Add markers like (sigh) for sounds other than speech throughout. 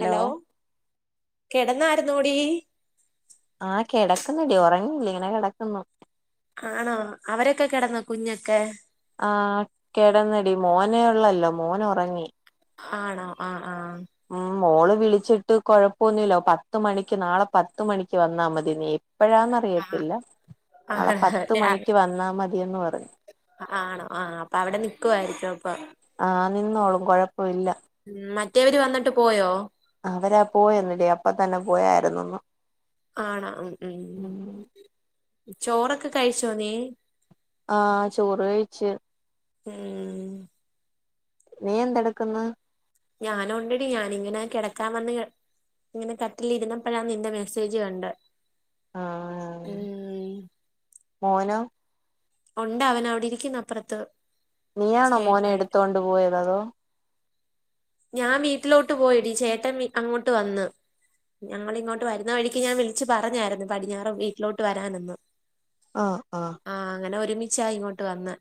Hello കെടന്നായിരുന്നോടി ആ കിടക്കുന്ന് ഉറങ്ങീല ഇങ്ങനെ കിടക്കുന്നു ആണോ അവരൊക്കെ കിടന്നോ കുഞ്ഞൊക്കെ ആ കെടന്നടി മോനെ ഉള്ളല്ലോ മോൻ ഉറങ്ങി ആണോ ആ ആ ഉം മോള് വിളിച്ചിട്ട് കൊഴപ്പൊന്നുമില്ല പത്ത മണിക്ക് നാളെ പത്ത മണിക്ക് വന്നാ മതി നീ എപ്പോഴാന്ന അറിയത്തില്ല ആണോ നാളെ പത്തു രാ മണിക്ക് വന്നാ മതിയന്ന് പറഞ്ഞു ആണോ ആഹ് അപ്പൊ അവിടെ നിക്കുവായിരിക്കും ഇപ്പൊ ആഹ് നിന്നോളും കുഴപ്പമില്ല മ് മറ്റൊര് വന്നിട്ട് പോയോ അവരപോയന്നില്ലേ അപ്പ തന്നെ പോയായിന്നുന്ന് ആണോ ഉം ഉം ചോറൊക്കെ കഴിച്ചോ നീ ആഹ് ചോറ് കഴിച്ച് ഉം നീ എന്തെടുക്ക്ന്ന് ഞാന ഉണ്ടടി ഞാാനിങ്ങനെ കെടക്കാൻ വന്ന് ഇങ്ങനെ കട്ടിലിരുന്നപ്പോഴാ നിന്റെ മെസ്സേജ് കണ്ട് ആഹ് ഉം മോനോ ഉണ്ട് അവനവിടെ ഇരിക്കുന്ന അപ്പറത്ത് നീയാണോ മോനെ എടുത്തോണ്ട് പോയത് അതോ ഞാൻ വീട്ടിലോട്ട് പോയിടി ചേട്ടൻ അങ്ങോട്ട് വന്ന് ഞങ്ങിങ്ങോട്ട് വരുന്ന വഴിക്ക് ഞാൻ വിളിച്ചു പറഞ്ഞായിരുന്നു പടിഞ്ഞാറ് വീട്ടിലോട്ട് വരാാനന്ന് ആഹ് ആഹ് ആഹ് അങ്ങെനെ ഒരുമിച്ചാ ഇങ്ങോട്ട് വന്ന്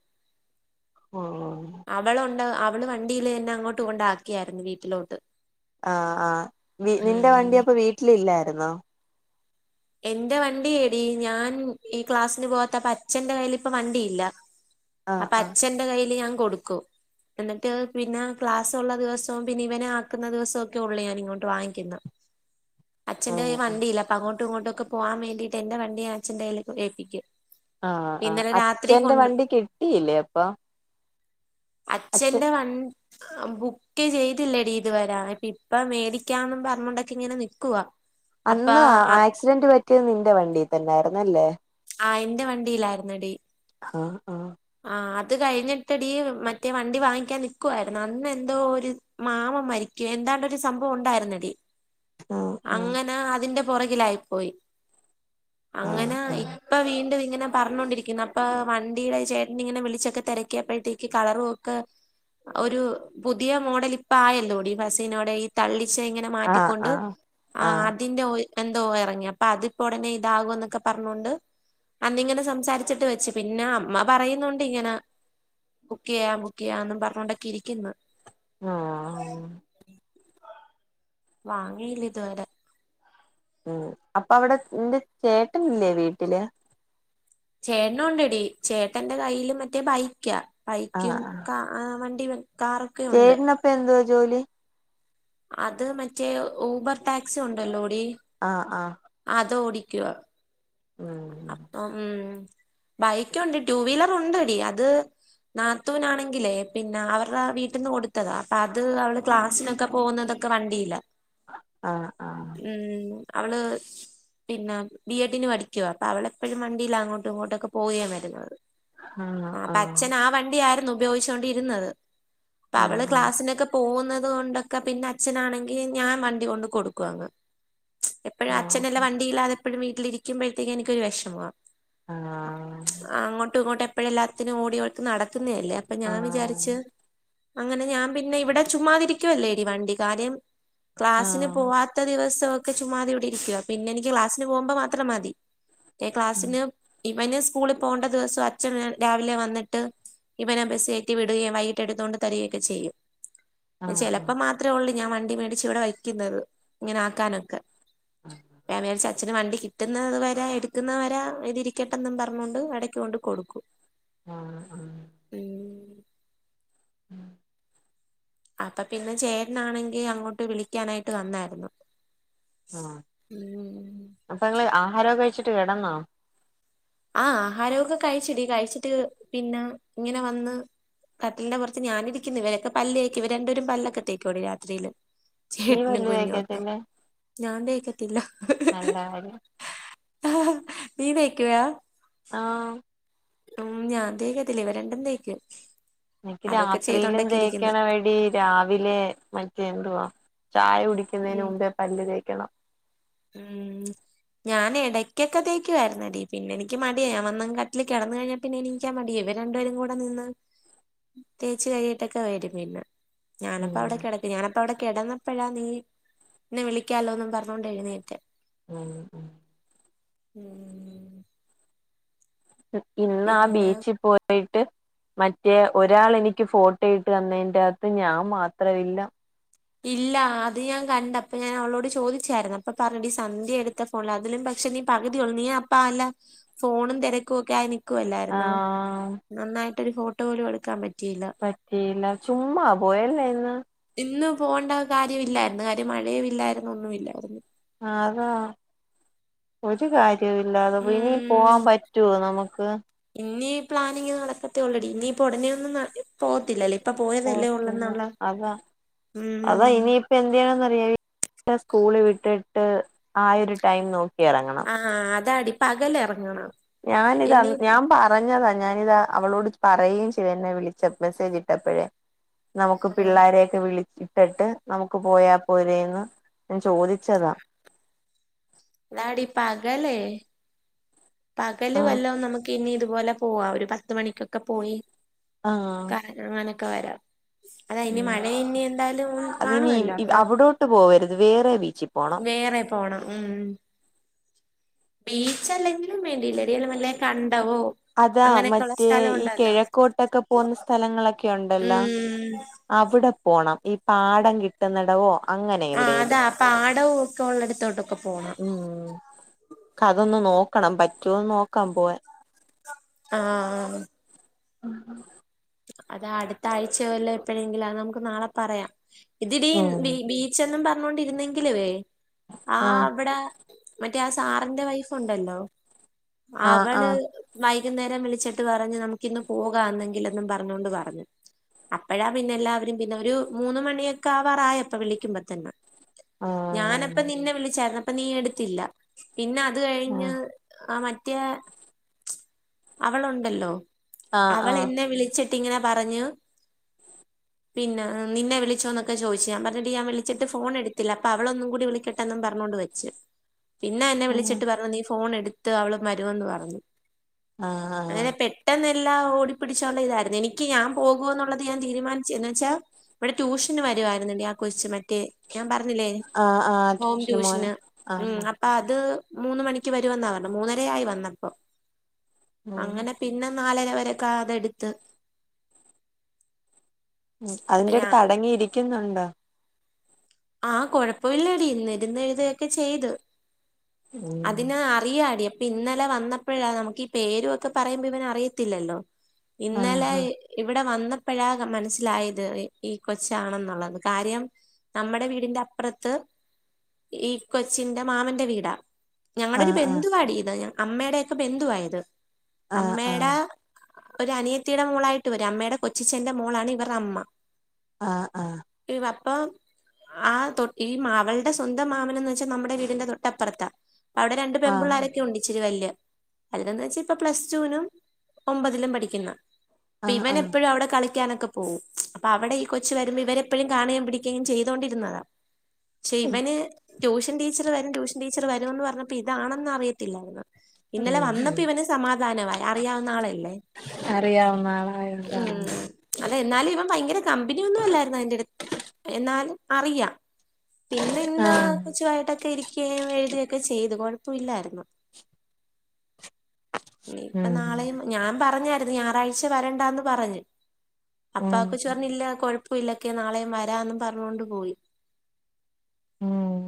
ഓഹ് ഓഹ് അവളൊണ്ട് അവൾ വണ്ടിൽ എന്നെ അങ്ങോട്ട് കൊണ്ടാക്കിയായിരുന്നു വീട്ടിലോട്ട് ആഹ് ആഹ് നിന്റെ ഉം വണ്ടി അപ്പൊ വീട്ടിലില്ലായിരുന്നോ എന്റെ വണ്ടി ഏടീ ഞാൻ ഈ ക്ലാസ്സിന് പോവാത്തപ്പ അച്ഛന്റെ കയ്യിൽ ഇപ്പ വണ്ടിയില്ല ആഹ് അപ്പ ആഹ് അച്ഛന്റെ കയ്യിൽ ഞാൻ കൊടുക്കും എന്നിട്ട് പിന്നെ ക്ലാസ്സോള്ള ദിവസവും പിന്നെ ഇവനെ ആക്കുന്ന ദിവസോക്കെ ഒള്ളൂ ഞാൻ ഇങ്ങോട്ട് വാങ്ങിക്കുന്നേ (inaudible) അച്ഛന്റെ ആഹ് കയ്യിൽ ആഹ് വണ്ടിയില്ല അപ്പൊ അങ്ങോട്ടും ഇങ്ങോട്ടും ഒക്കെ പോകാൻ വേണ്ടീട്ട് എന്റെ വണ്ടി അച്ഛന്റെ കയ്യിൽ ഏൽപ്പിക്കും ആഹ് ആഹ് ഇന്നലെ രാത്രി അച്ഛന്റെ കൊണ്ടു വണ്ടി കിട്ടിയില്ലേ അപ്പം അച്ഛന്റെ വൺ ബുക്ക് ചെയ്തില്ലടീ ഇത് വരെ ഇപ്പം മേടിക്കാന്നും പറഞ്ഞോണ്ടക്കെ ഇങ്ങനെ നിക്കുവാ (inaudible) അന്ന് ആക്സിഡന്റ് പറ്റിയത് നിന്റെ വണ്ടി തന്നായിരുന്ന് അല്ലേ ആഹ് ഇന്റെ വണ്ടീലാരുന്നടി ആഹ് ആഹ് ആഹ് അത് കഴിഞ്ഞിട്ടടീ മറ്റേ വണ്ടി വാങ്ങിക്കാൻ നിക്കുവായിരുന്നു അന്ന് എന്തോ ഒര് മാമൻ മരിക്ക്യാ എന്താണ്ടോരു സംഭവം ഉണ്ടായിരുന്നടി ആഹ് അങ്ങനെ അതിന്റെ പൊറകിലായിപോയി ആഹ് അങ്ങനെ ആഹ് ഇപ്പ വീണ്ടും ഇങ്ങനെ പറഞ്ഞോണ്ടിരിക്കുന്നു അപ്പ വണ്ടിയിടെ ചേട്ട ചേട്ടനെ പിന്നിങ്ങനെ വിളിച്ചൊക്കെ തിരക്കിയപ്പഴത്തേക്ക് കളറും ഒക്കെ ഒരു പുതിയ മോഡൽ ഇപ്പ ആയല്ലോടി ഫസീനോടെ ഈ തള്ളിച്ച ഇങ്ങനെ ആഹ് മാറ്റിക്കൊണ്ട് ആഹ് ആഹ് ആഹ് അതിന്റെ ഓയിൽ എന്തോ ഇറങ്ങി അപ്പം അതിപ്പ ഒടനെ ഇതാകും എന്നൊക്കെ പറഞ്ഞോണ്ട് അന്നിങ്ങനെ സംസാരിച്ചിട്ട് വെച്ച് പിന്നെ അമ്മ പറയുന്നൊണ്ട് ഇങ്ങനെ ബുക്ക് ചെയ്യാം ബുക്ക് ചെയ്യാം എന്നും പറഞ്ഞോണ്ടൊക്കെ ഇരിക്കുന്നു ആഹ് വാങ്ങിയില്ല ഇതുവരെ ഉമ് അപ്പ അവിടെ നിന്റെ ചേട്ടൻ ഇല്ലേ വീട്ടില്ല് ചേട്ടനോണ്ടടി ചേട്ടന്റെ കയ്യിൽ മറ്റേ ബൈക്കാ ബൈക്കും ആഹ് ആഹ് കാ ആഹ് വണ്ടി കാറും ചേട്ടനപ്പ എന്തുവാ ജോലി അത് മറ്റേ ഊബർ ടാക്സി ഉണ്ടല്ലോടി ആഹ് ആഹ് അത് ഓടിക്കുവാ ഉം ഉമ് ബൈക്ക് ഒണ്ട് ടു വീലർ ഉണ്ടടി അത് നാത്തുനാണെങ്കില്ലേ പിന്നെ അവരടെ വീട്ടിന്ന് കൊടുത്തതാ അപ്പ അത് അവൾ ക്ലാസ്സിനൊക്കെ പോകുന്നത ഒക്കെ വണ്ടില്ല ആഹ് ആഹ് ഉമ് അവൾ പിന്നെ ബി എ ഡി ന് പഠിക്ക പഠിക്കുവാ അപ്പ അവൾ എപ്പോഴും വണ്ടിയിലാ അങ്ങോട്ടും ഇങ്ങോട്ടൊക്കെ പോവുകയുവരുന്നതു ആഹ് അപ്പ അച്ഛൻ ആഹ് വണ്ടിയായിരുന്നു ഉപയോഗിച്ചൊണ്ടിരുന്നത് അപ്പം അവൾ ആഹ് ക്ലാസ്സിനൊക്കെ പോകുന്നത് കൊണ്ടൊക്കെ പിന്നെ അച്ഛനാണെങ്കി ഞാൻ വണ്ടി കൊണ്ട് കൊടുക്കുവങ്ങ് എപ്പോഴും അച്ഛനില്ല ആഹ് വണ്ടയില്ലാതെപ്പോഴും വീട്ടിൽ ഇരിക്കുമ്പോഴത്തേക്കും എനക്ക് ഒരു വേഷമം ആഹ് അങ്ങോട്ടും ഇങ്ങോട്ടും എപ്പഴും എല്ലാത്തിനും ഓടിയോക്കെ നടക്കുന്നതല്ലേ അപ്പൊ ഞാൻ വിചാരിച്ച് ആഹ് ച്ച് അങ്ങനെ ഞാൻ പിന്നെ ഇവിടെ ചുമ്മാതിരിക്കുവല്ലേടീ വണ്ടി കാര്യം ക്ലാസ്സിന് ആഹ് പോവാത്ത ദിവസമൊക്കെ ചുമ്മാതിവിടെ ഇരിക്കുവാ പിന്നെ എനിക്ക് ക്ലാസ്സിന് പോകുമ്പോ മാത്രം മതി ഉം ക്ലാസ്സിന് ഇവന് സ്കൂളിൽ പോവണ്ട ദിവസം അച്ഛൻ രാവിലെ വന്നിട്ട് ഇവനെ ബസ് കയറ്റി വിടുകയും വൈകട്ട് എടുതോകൊണ്ട് തരികയൊക്കെ ചെയ്യും ആഹ് ചെലപ്പം മാത്രമേ ഒള്ളൂ ഞാൻ വണ്ടി മേടിച്ച് ഇവിടെ വയ്ക്കുന്നത് ഇങ്ങനെ ആക്കാനൊക്കെ ആഹ് ഞാൻ വിചാരിച്ച് അച്ഛന് വണ്ടി കിട്ടുന്നത് വരെ ഞാൻ എടുക്കുന്നവരെ ഇതിരിക്കട്ടെന്നും പറഞ്ഞൊണ്ട് ഇടയ്ക്ക് കൊണ്ട് കൊടുക്കും ആഹ് ആഹ് ഉം (unintelligible) അപ്പ പിന്നെ ചേട്ട്നാണെങ്കിൽ അങ്ങോട്ട് വിളിക്കാനായിട്ട് വന്നാരുന്നു. ഉം അപ്പ നിങ്ങെള് ആഹാരവെക്കെ കഴിച്ചിട്ട് കെടന്നോ? ആഹ് ആഹാരവെക്കെ കഴിച്ചടി കഴിച്ചിട്ട് പിന്നെ ഇങ്ങനെ വന്ന്. കട്ടിലിന്റെ പൊറത്ത് ഞാനിരിക്കുന്നു ഇവരൊക്കെ പല്ലേക്കും ഇവെ രണ്ടുപ്പേരും പല്ലൊക്കെ തേക്കൂടി രാത്രിയിലും. നീ ചേട്ട്നും പല്ല് കുഞ്ഞുവാക്കെ. തേക്കത്തില്ലേ ഞാൻ തേക്കത്തില്ല നല്ല കാര്യം നീ തേയ്ക്കുയാ? ആഹ് ഉം ഞാൻ തേക്കത്തില്ല ഇവ രണ്ടും തേക്കും. എനിക്ക് അതൊക്കെ രാത്രിയിലും ചെയ്തോണ്ടൊക്കെ ഇരിക്കുന്നു തേക്കെണവടി രാവിലെ മറ്റേ എന്തുവാ ചായ കുടിക്ക്. ക്കുന്നതിന് ഉം മുമ്പേ പല്ല് തേക്കെണം. ഉം ഞാൻ എടയ്ക്കെക്കെ തയ്ക്കുവാരെന്നടി പിന്നെയെനിക്ക് മടിയായി ഞാവന്നെങ്ങ് കട്ടിലിൽ കെടെന്ന് കഴിഞ്ഞ്. പിന്നെ എണീക്കാ മടിയാ ഇവെര് രണ്ടുപേരും കൂടെ നിന്ന് തേച്ച് കഴികിട്ടൊക്കെ വെരും പിന്നെ. ഞാനപ്പം ഉം അവെടെ കെടക്ക. ഞാനപ്പ അവെടെ കെടന്നപ്പഴാ നീ നിന്നെ വിളിക്കാലോന്നു പറഞ്ഞോണ്ട് എഴുന്നേറ്റ്. (unintelligible) ഉം ഉം ഉം ഇന്നാ പിന്നെ ബീച്ചിൽ പോ ട്ട് മറ്റേ ഒരാളെനിക്ക് ഫോട്ടോയിട്ട് തന്നതിന്റെതാത്ത് ഞാൻ മാത്രമില്ല. ഇല്ല അത് ഞാൻ കണ്ട് അപ്പ ഞാൻ അവളോട് ചോദിച്ചായിരുന്നു അപ്പ പറഞ്ഞെടി സന്ധ്യ എടു ത്ത ഫോണിലാ അതിലും പക്ഷെ നീ പകുതിയൊള്ളൂ നീ അപ്പാ അല്ല ഫോണും തെരക്കുവൊക്കെയായി നി ക്കുവല്ലാരുന്നോ ആഹ് നന്നായിട്ടൊരു ഫോട്ടോ പോലും എടുക്കാൻ പറ്റിയില്ല. പറ്റിയില്ല ചുമ്മാ പോയല്ലോ ഇന്ന്. ഇന്ന് പോണ്ടേ കാര്യവില്ലാരെന്ന് കാര്യം മഴേം ഇല്ലാരെന്ന് ഒന്നും ഇല്ലാരെന്ന്. അഹ് അതാ ഒരു കാര്യോം ഇല്ലാതെ പോയി ഇനി ഉം പോവാൻ പറ്റുവോ നമ്മെക്ക്. ഇനി പ്ലാനിങ്ങ് നടക്കത്തോളേടി ഇനിയിപ്പോ ഉടേനൊന്നും പോവത്തില്ലല്ല്. ഇപ്പ പോയതല്ലേ പോവത്തില്ല ഉള്ളെന്നൊള്ള ഉം. ഇപ്പ എന്ത് ചെയ്യണെന്നറിയേ ഇപ്പ സ്കൂള് വിട്ടിട്ട് ആഹ് ഒരു ടൈം നോക്കിയെറങ്ങണം. ആഹ് അതാടി പകലെറങ്ങണം. ഇനി ഞാനിതന്ന ഞാൻ പറ ഞ്ഞതാ ഞാനിത് അവളോട് പറയുകയും ചെയ്ത് എന്നെ വിളിച്ചപ്പ മെസ്സേജ് ഇട്ടപ്പഴേ. നമ്മെക്ക് ആഹ് പിള്ളോരെയെക്കെ വിളിക്കും. കെട്ട് നമ്മുക്ക് പോയാ പോരെന്ന് ഞാൻ ചോദിച്ചതാ. ഇന്നാടി പാകലേ. പകല് ആഹ് വെല്ലോം നമ്മെക്കിനി ഇതുപോലെ പോവാം. ഒര് പത്തു മണിക്കൊക്കെപ്പോയി. ആഹ് അങ്ങനെ ഒകെ വെരാം. അതാ ഇനി ഉം മഴ ഇനി എന്തായാലും അതിനി കാണുവെല്ലോ. അപ്പ അവിടോട്ട് പോവരുത് വേറെ ബീച്ചിൽ പോണം വേറെ. പോണം. ഉം ഉം ബീച്ച് അല്ലെങ്കി ലും വേണ്ടിയില്ലെടി എവെടേലും വെല്ല കണ്ടവോ. അതാ അങ്ങനെയൊക്കെയുള്ള മറ്റേ സ്ഥലം ഈ ഉണ്ടല്ലോ കെഴക്കോട്ടെക്കെ പോന്ന സ്ഥലങ്ങളൊക്കെ ഒണ്ടല്ലോ. ഉം അവിടെ പോണം. ഈ പാടം കിട്ടുന്നടവോ. ആ അതാ പാടെവുവെക്കെ ഒള്ളടുത്തോട്ടെക്കെ പോണം. ക്കതൊന്ന് നോക്കണം. പറ്റോന്ന് നോക്കാൻ പോയാ. ആഹ് ആഹ് (inaudible) അതാ അടുത്ത ആഴ്ച വല്ല എപ്പഴെങ്കില അ നമുക്ക് നാളെ പറയാം ഇതിടെ ഉം ബീച്ച് എന്നും പറഞ്ഞോണ്ടിരുന്നെങ്കിലുവേ ആ ആഹ് അവിടെ മറ്റേ ആ സാറിന്റെ വൈഫുണ്ടല്ലോ ആഹ് അവള് ആഹ് വൈകുന്നേരം വിളിച്ചിട്ട് പറഞ്ഞ് നമുക്ക് ഇന്ന് പോകാം എന്നെങ്കിലും പറഞ്ഞൊണ്ട് പറഞ്ഞു അപ്പഴാ പിന്നെ എല്ലാവരും പിന്നെ ഒരു മൂന്ന് മണിയൊക്കെ ആ വറായപ്പ വിളിക്കുമ്പോ തന്നെ ആഹ് ഞാനപ്പ നിന്നെ വിളിച്ചായിുന്ന അപ്പ നീ എടുത്തില്ല പിന്നെ അത് കഴിഞ്ഞ് ആഹ് ആ മറ്റേ അവളുണ്ടല്ലോ ആഹ് അവൾ ആഹ് എന്നെ വിളിച്ചിട്ട് ങ്ങനെ പറഞ്ഞു പിന്നെ നിന്നെ വിളിച്ചോന്നൊക്കെ ചോദു ഞാ പറഞ്ഞിട്ട്ഞാൻ വിളിച്ചിട്ട് ഫോൺ എടുത്തില്ല അപ്പോ അവളന്നും കൂടി വിളിക്കട്ടെന്നും പറഞ്ഞുകോണ്ട് വരും പിന്നെ എന്നെ ഉം വിളിച്ചിട്ട് പറഞ്ഞു നീ ഫോൺ എടുത്ത് അവള് വരുമന്ന് പറഞ്ഞു ആഹ് അങ്ങനെ പെട്ടെന്ന എല്ലാം ഓടിപ്പിടിച്ചുള്ള ഇതായിരുന്നു എനിക്ക് ഞാൻ പോകൂ എന്നുള്ളത് ഞാൻ തീരുമാനിച്ചു എന്ന് വെച്ചാ ഇവിടെ ട്യൂഷന് വരുമായിരുന്നുണ്ട് ആ കൊച്ച് ഞാൻ പറഞ്ഞില്ലേ ആഹ് ആഹ് ഹോം മോന് ട്യൂഷന് ആഹ് ആ അത് മൂന്ന് മണിക്ക് വരു വന്ന പറഞ്ഞണം മൂന്നര ആയി വന്നപ്പോ ഉം അങ്ങനെ പിന്നെ നാലര വരൊക്കെ അതെടുത്ത് ഉ അപ്പൊ അതിന്റെ ഞാൻ അടങ്ങിയിരിക്കുന്നുണ്ടോ ആഹ കൊഴപ്പമില്ലടി ഇന്നിരുന്ന് എഴുതുകയൊക്കെ ചെയ്തു ഉം അതിന് അറിയാടി ഇന്നലെ വന്നപ്പോഴാ നമുക്ക് ഈ പേരു ഒക്കെ പറയുമ്പോ ഇവന അറിയത്തില്ലല്ലോ ഇന്നലെ ആഹ് ഇവിടെ വന്നപ്പോഴാ മനസ്സിലായത് ഈ കൊച്ചാണെന്നുള്ളത് കാര്യം നമ്മുടെ വീടിന്റെ അപ്പുറത്ത് ഈ കൊച്ചിന്റെ മാമന്റെ വീടാ ഞങ്ങളുടെ ഒരു ആഹ് ആഹ് ബന്ധുവാടി ഇത് അമ്മയുടെക്കെ ബന്ധുവായത് ആഹ് അമ്മയുടെ ഒരു അനിയത്തിയുടെ മോളായിട്ട് വരും അമ്മയുടെ കൊച്ചച്ചേന്റെ മോളാണ് ഇവരുടെ അമ്മ ആഹ ആഹ പപ്പാ ആ തൊ ഈ മാകളുടെ സ്വന്തം മാമ നന്ന് വെച്ചാൽ നമ്മുടെ വീടിന്റെ തൊട്ടപ്പുറതാ അവിടെ രണ്ട് ആഹ് ആഹ് പെമ്പിള്ളാരരൊക്കെ ഉണ്ട് ഇച്ചിരി വല്യ അതന്ന് വെച്ചാ ഇപ്പ പ്ലസ് ടുവിനും ഒമ്പതിലും പഠിക്കുന്ന അപ്പൊ ആഹ് ഇവന ആഹ് എപ്പോഴും അവിടെ കളിക്കാനൊക്കെ പോവും അപ്പൊ അവിടെ ഈ കൊച്ച് വരുമ്പോ ഇവന് എപ്പോഴും കാണുകയും പിടിക്കുകയും ചെയ്തോണ്ടിരുന്നതാ പക്ഷെ ഇവന് ട്യൂഷൻ ടീച്ചറ് വരും ട്യൂഷൻ ടീച്ചറ് വരും എന്ന് പറഞ്ഞപ്പോ ഇതാണെന്ന് അറിയത്തില്ലായിരുന്നു ഉം ഇന്നലെ വന്നപ്പോ ഉം ഇവന് സമാധാനമായി അറിയാവുന്ന ആളല്ലേ അറിയാവുന്ന ആളായോണ്ടാ ഉം അതെ എന്നാലും ഇവൻ ഭയങ്കര കമ്പനിയ ഒന്നും അല്ലായിരുന്നു അതിന്റെടുത്ത് എന്നാലും അറിയാം പിന്നെ ഇന്ന് ആഹ് കുച്ചുയിട്ടൊക്കെ ഇരിക്കുകയും എഴുതയൊക്കെ ചെയ്തു കുഴപ്പമ ഇല്ലായിരുന്നു ഇപ്പൊ ഉം നാളെയും ഞാൻ പറഞ്ഞായിരുന്നു ഞായറാഴ്ച വരണ്ടന്ന് പറഞ്ഞു അപ്പാ ആ ഉം കൊച്ച് പറഞ്ഞ് ഇല്ല കൊഴപ്പ ല്ലക്കെ നാളെയും വരാം എന്നും പറഞ്ഞോണ്ട് പോയി ഉം ഉം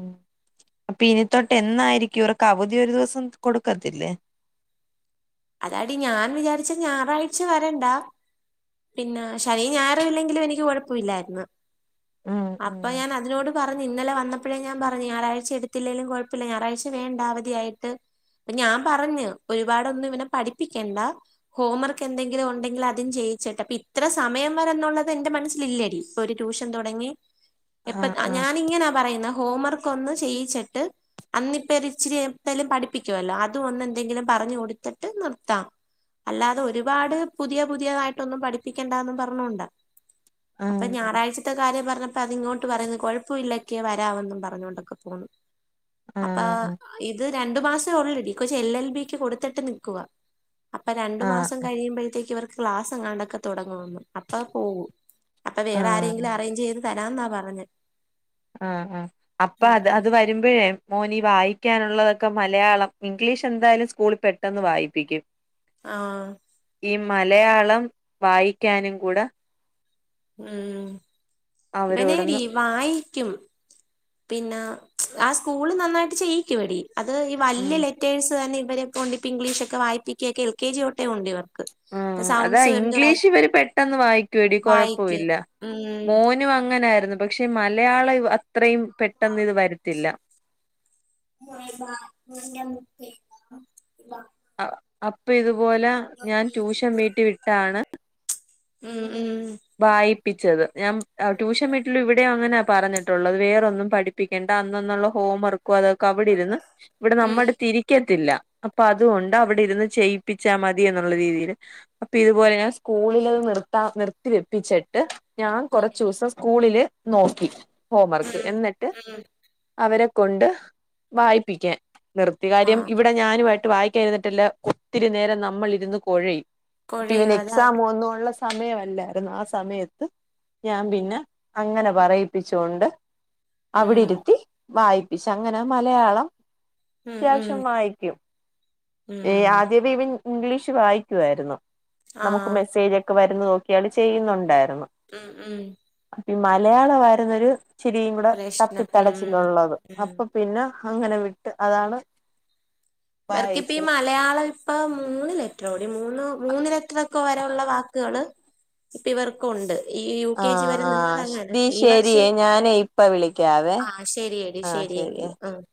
അപ്പൊ ഇനി തൊട്ട് എന്നായിരിക്കും ഇവർക്ക് അവധി ഒരു ദിവസം കൊടുക്കത്തില്ലേ? അതാടി ഞാൻ വിചാരിച്ചെ ഞായറാഴ്ച്ച വരണ്ട പിന്നാ ശനിയും ഞായറും ഇല്ലെങ്കിലും എനിക്ക് കൊഴപ്പൊയില്ലായിരുന്നു ഉം അപ്പൊ ഉം ഞാൻ അതിനോട് പറ പറഞ്ഞ് ഇന്നലെ വന്നപ്പഴേ ഞാൻ പറഞ്ഞ് ഞായാഴ്ച്ച എടുത്തില്ലേലും കൊഴപ്പല്ല ഞായാഴ്ച്ച വേണ്ട അവധി ആയിട്ട് അപ്പ ഞാൻ പറഞ്ഞ് ഒരുപാടൊന്നും ഇവനെ പഠിപ്പിക്കണ്ടാ ഹോം വർക്ക് എന്തെങ്കിലും ഒണ്ടെങ്കില് അതും ചെയ്യിച്ചിട്ട് അപ്പൊ ഇത്ര സമയം വരെ എന്നുള്ളത് എന്റെ മനസ്സിലില്ലെടി ഒരു ട്യൂഷൻ തൊടങ്ങി എപ്പ ആഹ് ആഹ് ഞാനിങ്ങനാ പറയുന്ന ഹോം വർക്ക് ഒന്ന് ചെയ്യിച്ചിട്ട് അന്നിപ്പ ഒര് ഇച്ചിരി എന്തേലും പഠിപ്പിക്കുവല്ലോ അതും ഒന്ന് എന്തെങ്കിലും പറഞ്ഞ് കൊടുത്തിട്ട് നിർത്താം അല്ലാതെ ഒരുപാട് പുതിയ പുതിയതായിട്ടൊന്നും പഠിപ്പിക്കണ്ടാന്നും പറഞ്ഞോണ്ടാ അപ്പം ആഹ് ഞായറാഴ്ച്ച ത്തെ കാര്യം പറഞ്ഞപ്പോ അത് ഇങ്ങോട്ട് പറയുന്നു കൊഴപ്പയില്ലക്കെ വരാവെന്നും പറഞ്ഞോണ്ടൊക്കെ പോന്നു അപ്പ ആഹ് ഇത് രണ്ടു മാസെ ഒള്ളടി ഈ കൊച്ച് എൽ എൽ ബിക്ക് കൊടുത്തിട്ട് നിക്കുവാ അപ്പ രണ്ടു ആഹ് മാസം കഴിയുമ്പഴ്ത്തേക്ക് ഇവർക്ക് ക്ലാസ് എങ്ങാണ്ടൊക്കെ തൊടങ്ങുമെന്ന് അപ്പ പോവും അപ്പ ആഹ് വേറെ ആരെയെങ്കിലും ആഹ് അറേഞ്ച് ചെയ്ത് തരാന്നാ പറഞ്ഞെ ആഹ് ആഹ് അപ്പ അത് ഉം അത് വ വരുമ്പഴേ മോനി വായിക്കാനുള്ളതൊക്കെ മലയാളം ഇംഗ്ലീഷ് എന്തായാലും സ്കൂളിൽ പെട്ടെന്ന് വായിപ്പിക്കും ആഹ് ഈ മലയാളം വായിക്കാനും കൂടെ ഉം ഇവനേടി അവരോടൊന്ന് വായിക്കും പിന്നെ ആ സ്കൂള് നന്നായിട്ട് ചെയ്യിക്കും എടി അത് ഈ വല്യ ഉം ലെറ്റേഴ്സ് തന്നെ ഇവരെ കൊണ്ട് ഇപ്പ ഇംഗ്ലീഷൊക്കെ വായിപ്പിക്കുവൊക്കെ എൽ കെ ജി തൊട്ടെ ഒണ്ട് ഇവർ ആഹ് അതാ ഇംഗ്ലീഷ് ഇവര് പെട്ടെന്ന് വായിക്കുവെടി വായിക്കും കൊഴപ്പയില്ല ഉം മോന് നു അങ്ങനായിരുന്നു പക്ഷെ മലയാളം ഇവ അത്രയും പെട്ടെന്ന് ഇത് വരത്തില്ല മ ബ മ മു ആഹ് അപ്പൊ ഇതുപോലെ ഞാൻ ട്യൂഷൻ വീട്ടി വിട്ടാണ് ഉം ഉം വായിപ്പിച്ചത് ഞാൻ ട്യൂഷൻ വീട്ടിലും ഇവിടെയും അങ്ങനാ പറഞ്ഞിട്ടുള്ളത് വേറൊന്നും പഠി പ്പിക്കണ്ട അന്നന്നുള്ള ഹോം വർക്കും അതൊക്കെ അവിടെ ഇരുന്ന് ഇവിടെ ഉം നമ്മളടത്ത് ഇരിക്കത്തില്ല അപ് അപ്പൊ അതുകൊണ്ട് അവിടെ ഇരുന്ന് ചെയ്യിപ്പിച്ചാ മതി എന്നുള്ള രീതീല് അപ്പൊ ഇതുപോലെ ഞാൻ സ്കൂളിലെത് നിർത്താം നിർ വെപ്പിച്ചിട്ട് ഞാൻ ഉം കൊറച്ചൂസം സ്കൂളില് നോക്കി ഹോം വർക്ക് എന്നിട്ട് ഉം അവരെ കൊണ്ട് വായിപ്പിക്കാൻ നിർത്തിയകാര്യം ആഹ് ഇവിടെ ഞാനുമായിട്ട് വായിക്കാ ഇരുന്നിട്ടല്ല ഒത്തിരി നേരം നമ്മളിരുന്ന് കൊഴയും അപ്പ ഇവന് കൊഴയും അതാ എക്സാമും ഒന്നും ഒള്ള സമയമല്ലാര് രുന്ന് ആ സമയത്ത് ഞാൻ പിന്നെ അങ്ങനെ പറയിപ്പിച്ചോണ്ട് അവിടെ ഉം ഇരുത്തി വായിപ്പിച്ചു അങ്ങനെ മലയാളം ഉം ഉം അത്യാവശ്യം വായിക്കും ഏഹ് ഉം ആദ്യമേ ഇവൻ ഇംഗ്ലീഷ് വായിക്കുവായിരുന്നു നമുക്ക് ആഹ് മെസ്സേജൊക്കെ വരുന്നേ നോക്കിയാണ് ചെയ്യുന്നുണ്ടായിരുന്നു ഉം ഉം അപ്പ ഈ മലയാളവായിരുന്നൊരു ഇച്ചിരിയും കൂടെ പ്രശ്നം ഉം തപ്പിത്തടച്ചിലൊള്ളത് ഉം അപ്പൊ പിന്നെ അങ്ങനെ വിട്ട് അതാണ് ഇവർക്കിപ്പ ഈ വായിച്ചത് മലയാളം ഇപ്പ മൂന്ന് ലെറ്ററോടി മൂന്ന് മൂന്ന് ലെ റ്ററൊക്കെ വരെ ഒള്ള വാക്കുകള് ഇപ്പ ഇവർക്കുണ്ട് ഈ യു ആ കെ ജി വരെ ആ നിന്നത് അങ്ങനാ ദീ ഈ വർഷം ശരിയേ ഞാനേ ഇപ്പ വിളിക്കാവേ ആഹ് ശരിയെടി ആ ശരിയേ ശരിയെങ്കില് ആഹ്